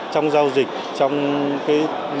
trong giao dịch trong cái